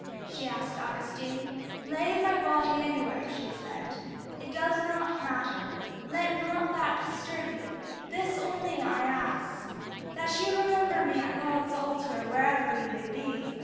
she asked Augustine. "Lay my body anywhere," she said; "it does not matter. Do not let that disturb you. This only I ask that you remember me at God's Altar wherever you may be."